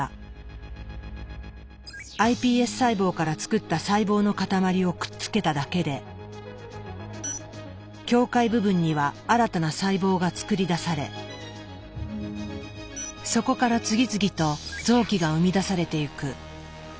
ｉＰＳ細胞から作った細胞の塊をくっつけただけで境界部分には新たな細胞が作り出されそこから次々と臓器が生み出されてゆく。